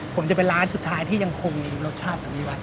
ผมจะเป็นร้านสุดท้ายที่ยังคงรสชาติแบบนี้ไว้